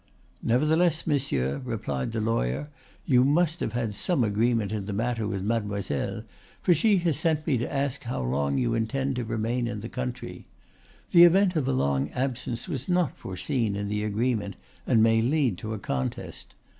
"Nevertheless, monsieur," replied the lawyer, "you must have had some agreement in the matter with Mademoiselle, for she has sent me to ask how long you intend to remain in the country. The event of a long absence was not foreseen in the agreement, and may lead to a contest.